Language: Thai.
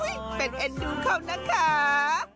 อู้๊ยเป็นเอ็นดูข้าวนะค่า